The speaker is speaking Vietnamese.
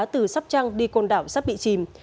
từ sắp trăng đi côn đảo sắp bị chìm